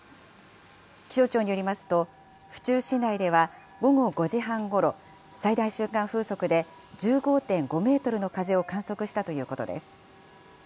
気象庁によりますと府中市内では午後５時半ごろ最大瞬間風速で１５．５メートルの風を観測したということです。